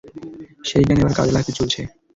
সেই জ্ঞান এবার কাজে লাগতে চলেছে।